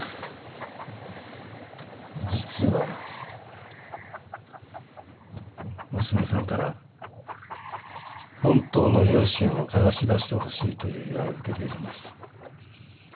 実は娘さんから本当の両親を捜し出してほしいという依頼を受けているんです。